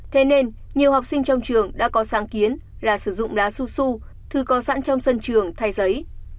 thế nên nhiều học sinh trong trường đã có sáng kiến ra sử dụng đá su su thư có sẵn trong sân trường thay giấy